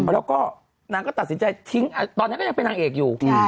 แล้วก็นางก็ตัดสินใจทิ้งตอนนั้นก็ยังเป็นนางเอกอยู่